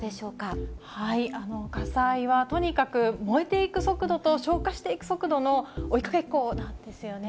火災はとにかく、燃えていく速度と消火していく速度の追いかけっこなんですよね。